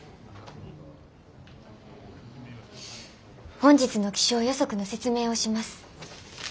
本日の気象予測の説明をします。